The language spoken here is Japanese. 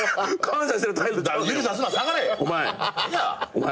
お前！